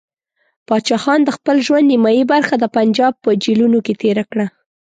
پاچا خان د خپل ژوند نیمایي برخه د پنجاب په جیلونو کې تېره کړه.